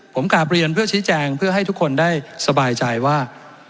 ผมกากปรียังเปอร์ชิฟแจงเพื่อให้ทุกคนได้สบายใจว่า